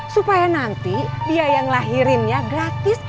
supaya nanti biaya ngelahirinnya gratis